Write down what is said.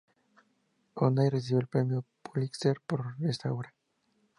O'Neill recibió el Premio Pulitzer por esta obra.